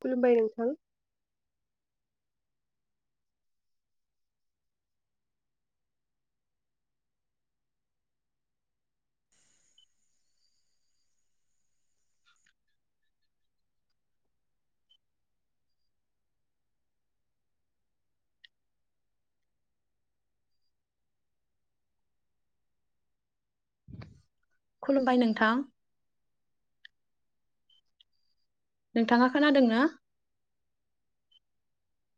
खुलुमबाय नोंथां। खुलुमबाय नोंथां। नोंथाङा खोनादोंना?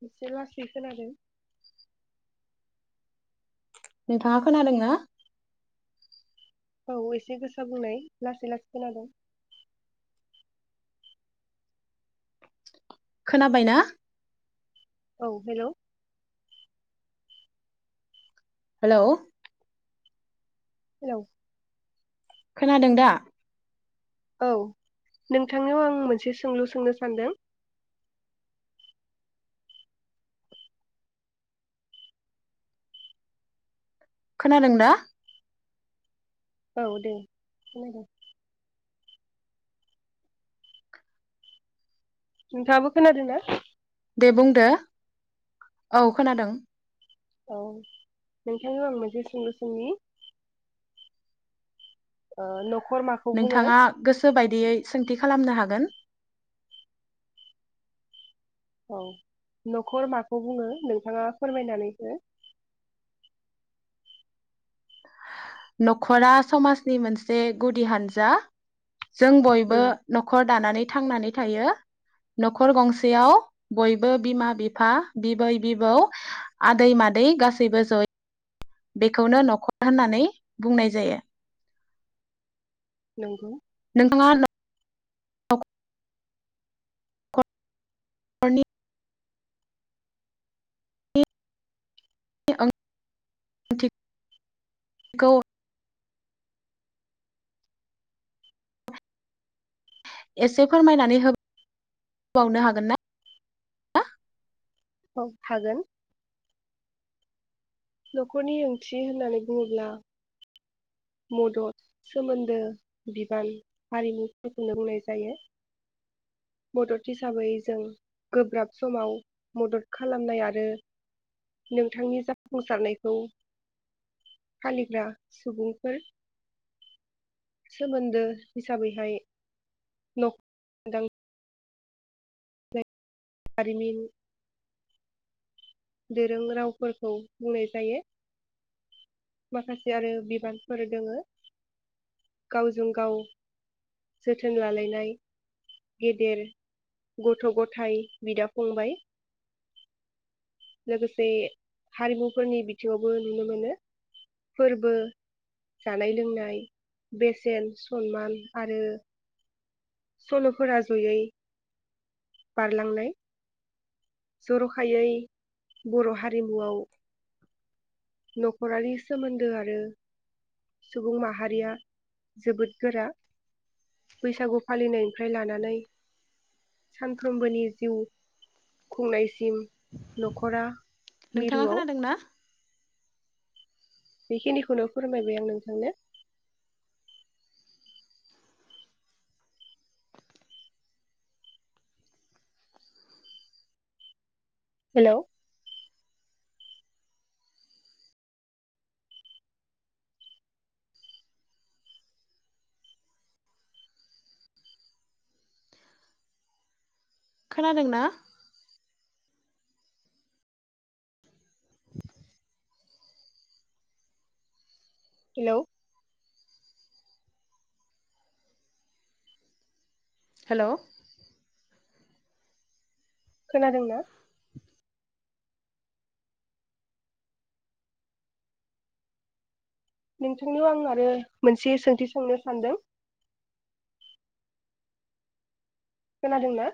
एसे लासै खोनादों। नोंथाङा खोनादों ना। औ एसे गोसा बुंनाय लासै लासै खोनादोंं। खोनाबायना? औ हेलौ हेलौ हेलौ खोनादों दा? औ नोंथांनियाव आं मोनसे सोंलु सोंनो सानदों। खोनादों दा? औ दे खोनादों। नोंथाङाबो खोनादों ना? दे बुंदो औ खोनादों। औ नोंथांनियाव आं मोनसे सुंलु सोंनि। ओ न नोंथाङा गोसो बायदियै सोंथि खालामनो हागोन। औ न'खर माखौ बुङो? नोंथाङा फोरमायनानै हो न'खरा समाजनि मोनसे गुदि हानजा जों बयबो उम न'खर दानानै थांनानै थायो न'खर गंसेयाव बयबो बिमा बिफा बिबै बिबौ आदै मादै गासैबो जयै बेखौनो न'खर होननानै बुंनाय जायो। नंगौ। नोंथाङा [unintelligible] न'नि। [unintelligible] खौ [unintelligible] एसे फोरमायनानै होबावनो हागोन ना? औ हागोन। न'खरनि ओंथि होननानै बुङोब्ला। मदद सोमोनदो बिबान हारिमुफोरखौनो बुंनाय जायो मदद हिसाबै जों गोब्राब समाव मदद खालामनाय आरो नोंथांनि जाफुंसारनायखौ फालिग्रा सुबुं सोमोनदो हिसाबैहाय जारिमिन दोरों रावफोरखौ बुंनाय जायो माखासे आरो बिबानफोर दोङो गावजों गाव जोथोन लालायनाय गेदेर गथ' गथाय बिदा फंबाय लोगोसे हारिमुफोरनि बिथिङावबो नुनो मोनो फोरबो जानाय लोंनाय बेसेन सनमान आरो सल'फोरा ज'यै बारलांनाय जर'खायै बर' हारिमुआव नख'रारि सोमोनदो आरो सुबुं माहारिया जोबोद गोरा बैसागु फालिनायनिफ्राय लानानै सानफ्रोमबोनि जिउ खुंनाय सिम न'खरा नोंथाङा मिरुआव खोनादोंना बेखिनिखौनो फोरमायबाय आं नोंथांनो। हेल' खोनादों ना? हेल'। हेल'। खोनादोंना? नोंथांनाव आं आरो मोनसे सोंथि सोंनो सानदों। खोनादोंना?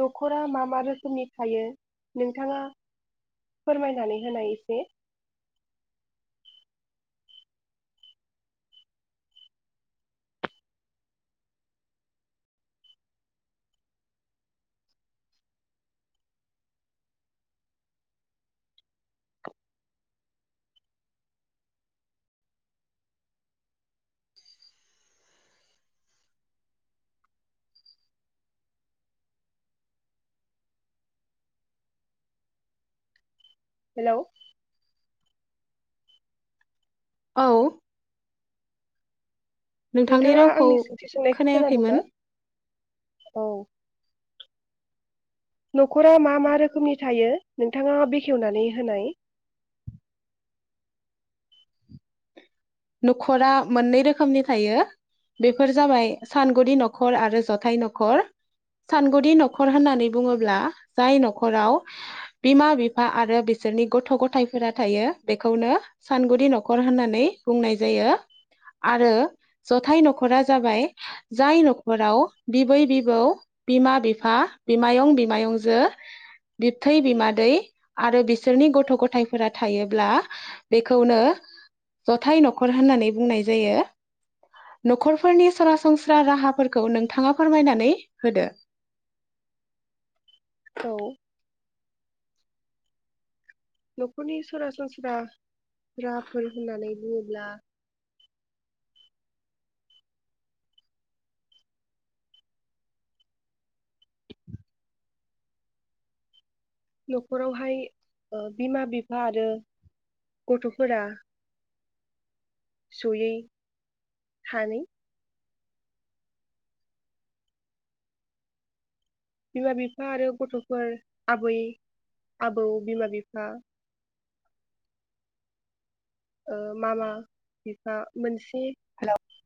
न'खरा मा मा रोखोमनि थायो नोंथाङा फोरमायनानै होनाय एसे हेल'। औ। नोंथांनि नोंथाङा रावखौ आंनि सोंथि सोंनायखौ खोनादोंना खोनायाखैमोन। औ न'खरा मा मा रोखोमनि थायो नोंथाङा बेखेवनानै होनाय। न'खरा मोननै रोखोमनि थायो बेफोर जाबायङ सानगुदि न'खर आरो जथाय न'खर सानगुदि न'खर होननानै बुङोब्ला जाय न'खराव बिमा बिफा आरो बिसोरनि गथ' गथायफोरा थायो बेखौनो सानगुदि न'खर होननानै बुंनाय जायो आरो जथाय न'खरा जाबाय जाय न'खराव बिबै बिबौ बिमा बिफा बिमायं बिमायंजो बिबथै बिमादै आरो बिसोरनि गथ' गथायफोरा थायोब्ला बेखौनो जथाय न'खर होननानै बुंनाय जायो न'खरफोरनि सरासनस्रा राहाफोरखौ नोंथाङा फोरमायनानै होदो। औ। न'खरनि सरासनस्रा राहाफोर होननानै बुङोब्ला न'खरावहाय ओ बिमा बिफा आरो गथ'फोरा जुलि खानि बिमा बिफा आरो गथ'फोर आबै आबौ बिमा बिफा ओ मामा बिफा मोनसे [unintelligible]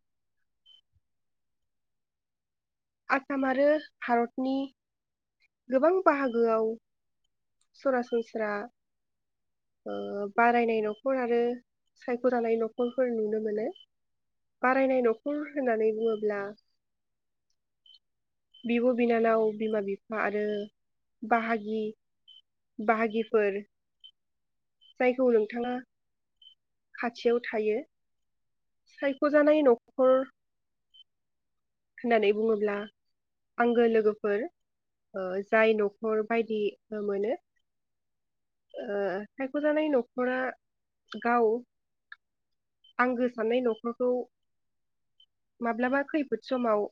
आसाम आरो भारतनि गोबां बाहागोआव सरासनस्रा ओ बारायनाय न'खर आरो सायख'जानाय न'खरफोर नुनो मोनो बारायनाय न'खर होननानै बुङोब्ला बिब' बिनानाव बिमा बिफा आरो बाहागि बाहागिफोर जायखौ नोंथाङा खाथियाव थायो। सायख'जानाय न'खर होननानै बुङोब्ला आंगो लोगोफोर ओ जाय न'खर बायदि मोनो सायख'जानाय न'खरा गाव आंगो साननाय न'खरखौ माब्लाबा खैफ फोद समाव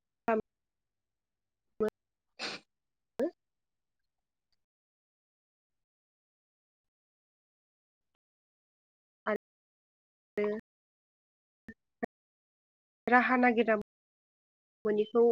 [unintelligible] आरो राहा नागिरा मोनिखौ